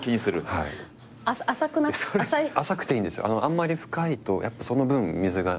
あんまり深いとやっぱその分水が。